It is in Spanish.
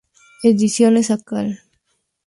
Ediciones Akal.